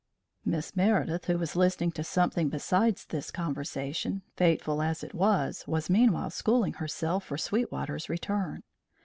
Miss Meredith, who was listening to something besides this conversation, fateful as it was, was meanwhile schooling herself for Sweetwater's return.